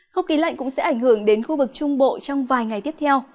không khí lạnh cũng sẽ ảnh hưởng đến khu vực trung bộ trong vài ngày tiếp theo